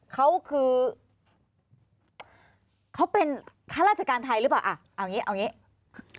เขาคือเขาเป็นข้าราชการไทยหรือเปล่าอ่ะเอางี้เอาอย่างนี้